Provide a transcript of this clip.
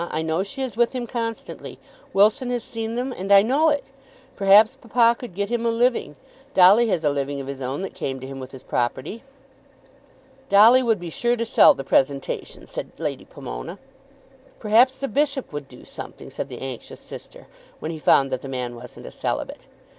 I know she is with him constantly. Wilson has seen them, and I know it. Perhaps papa could get him a living. Dolly has a living of his own that came to him with his property." "Dolly would be sure to sell the presentation," said Lady Pomona. "Perhaps the bishop would do something," said the anxious sister, "when he found that the man wasn't a celibate.